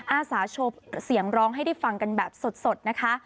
อาสาโชว์เสียงร้องให้ได้ฟังกันแบบสดนะคะ